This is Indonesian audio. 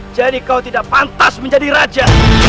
jadi kau tidak pantas menjadi raja